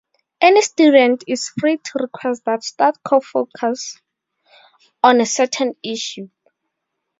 Any student is free to request that StudCo focus on a certain issue.